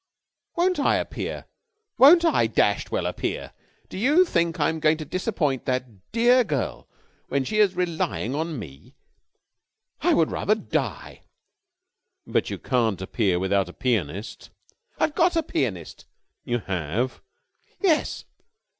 "Won't I appear! Won't I dashed well appear! Do you think I'm going to disappoint that dear girl when she is relying on me? I would rather die!" "But you can't appear without a pianist." "I've got a pianist." "You have?" "Yes.